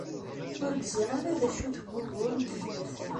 Ur gziɣ ara d acu-t wugur n tefyirt-a!